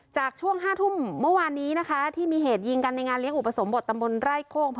ช่วง๕ทุ่มเมื่อวานนี้นะคะที่มีเหตุยิงกันในงานเลี้ยอุปสมบทตำบลไร่โคก